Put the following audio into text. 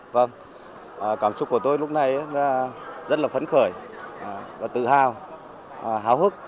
vâng cảm xúc của tôi lúc này là rất là phấn khởi tự hào hào hức